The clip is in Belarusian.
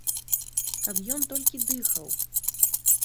Каб ён толькі дыхаў!